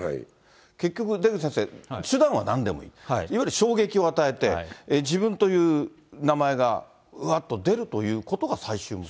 結局、出口先生、手段はなんでもいい、いわゆる衝撃を与えて、自分という名前がわーっと出るということが最終目的？